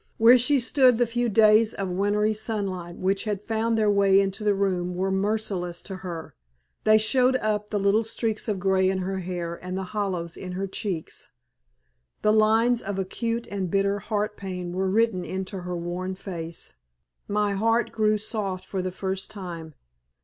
Where she stood the few days of wintry sunlight which had found their way into the room were merciless to her. They showed up the little streaks of grey in her hair and the hollows in her cheeks. The lines of acute and bitter heartpain were written into her worn face. My heart grew soft for the first time.